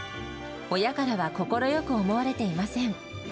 親からは快く思われていません。